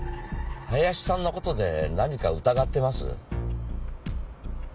林さんのことで何か疑ってます？